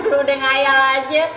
lo udah ngayal aja